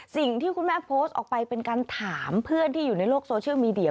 สิ่งที่คุณแม่โพสต์ออกไปเป็นการถามเพื่อนที่อยู่ในโลกโซเชียลมีเดีย